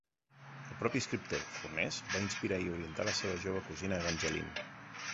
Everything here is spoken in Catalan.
El propi escriptor, Furness, va inspirar i orientar la seva jove cosina Evangeline.